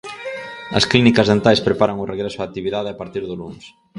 As clínicas dentais preparan o regreso á actividade a partir do luns.